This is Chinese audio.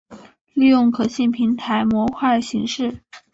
利用可信平台模块形式。